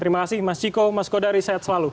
terima kasih mas ciko mas kodari sehat selalu